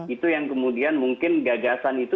itu yang kemudian mungkin gagasan itu